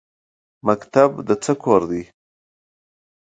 مکتب د څه کور دی؟